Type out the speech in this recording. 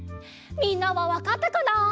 みんなはわかったかな？